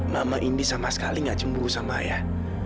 mama indi sama sekali gak cemburu sama ayah